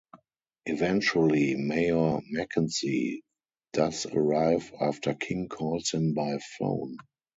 Eventually, Mayor McKenzie does arrive after King calls him by phone.